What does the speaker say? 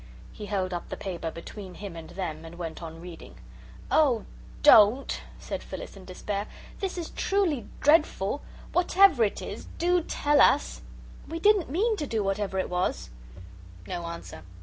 He held up the paper between him and them and went on reading. "Oh, DON'T!" said Phyllis, in despair; "this is truly dreadful! Whatever it is, do tell us." "We didn't mean to do it whatever it was." No answer.